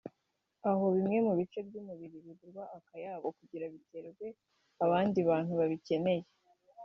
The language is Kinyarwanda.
aho bimwe mu bice by’umubiri bigurwa akayabo kugirango biterwe ku bandi bantu babikeneye